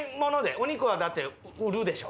お肉はだって売るでしょ。